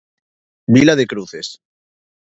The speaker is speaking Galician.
Vila de Cruces.